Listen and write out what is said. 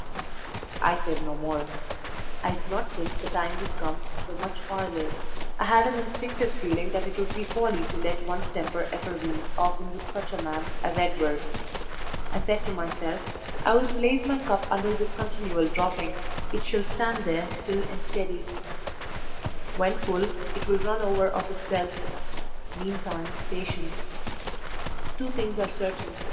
I said no more. I did not think the time was come for much parley. I had an instinctive feeling that it would be folly to let one's temper effervesce often with such a man as Edward. I said to myself, "I will place my cup under this continual dropping; it shall stand there still and steady; when full, it will run over of itself meantime patience. Two things are certain.